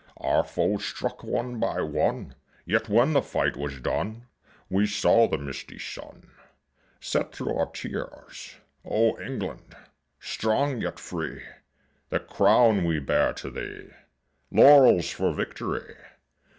Our foes struck one by one; Yet when the fight was done We saw the misty sun Set thro' our tears. O England, strong yet free, The crown we bear to thee, Laurels for victory!